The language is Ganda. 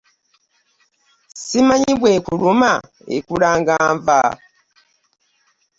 Ssimanyi bw'ekuluma ekulanga nva?